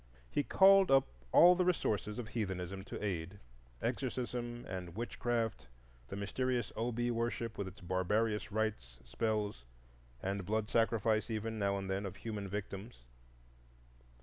He called up all the resources of heathenism to aid,—exorcism and witch craft, the mysterious Obi worship with its barbarious rites, spells, and blood sacrifice even, now and then, of human victims.